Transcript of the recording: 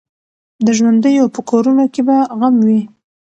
د ژوندیو په کورونو کي به غم وي